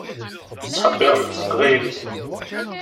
Ttḥebbiṛent ɣef teqbaylit.